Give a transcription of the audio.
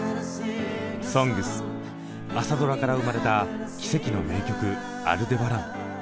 「ＳＯＮＧＳ」朝ドラから生まれた奇跡の名曲「アルデバラン」